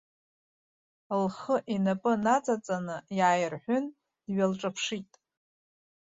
Лхы инапы наҵаҵаны иааирҳәын, дҩалҿаԥшит.